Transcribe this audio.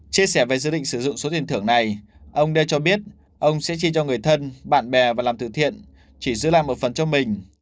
chia sẻ về dự định sử dụng số tiền thưởng này ông d v d cho biết ông sẽ chia cho người thân bạn bè và làm thử thiện chỉ giữ lại một phần cho mình